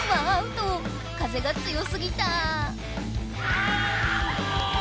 風が強すぎた！